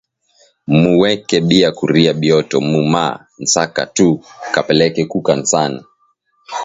Mu weke bia kuria bioto mu ma nsaka tu ka peleke ku kanisa